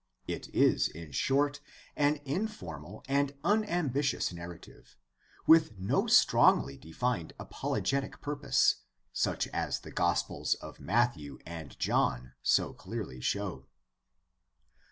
It is, in short, an informal and unambitious narrative, with no strongly defined apologetic purpose such as the Gospels of Matthew and John so clearly show.